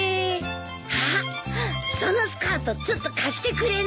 あっそのスカートちょっと貸してくれない？